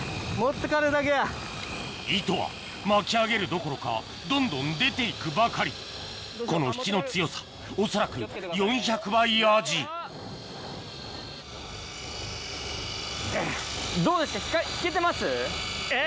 糸は巻き上げるどころかどんどん出て行くばかりこの引きの強さ恐らく４００倍アジうっ！